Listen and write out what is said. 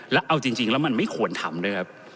แล้วเอาจริงแล้วมันไม่ควรทำด้วยครับ